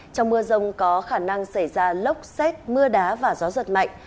trong mưa rông có khả năng xảy ra lốc xét mưa đá và gió giật mạnh